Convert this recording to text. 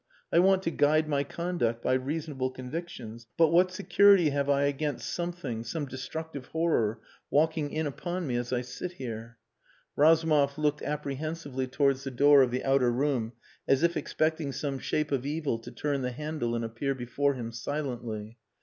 "I want to guide my conduct by reasonable convictions, but what security have I against something some destructive horror walking in upon me as I sit here?..." Razumov looked apprehensively towards the door of the outer room as if expecting some shape of evil to turn the handle and appear before him silently.